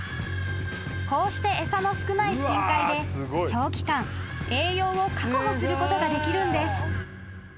［こうして餌の少ない深海で長期間栄養を確保することができるんです］